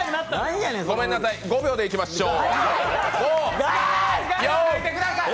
ごめんなさい、５秒でいきましょう。